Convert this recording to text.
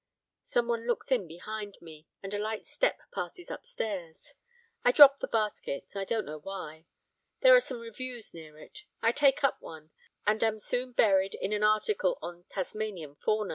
Some one looks in behind me, and a light step passes upstairs. I drop the basket, I don't know why. There are some reviews near it. I take up one, and am soon buried in an article on Tasmanian fauna.